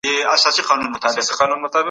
نوی نسل د ټولنې هیله ده.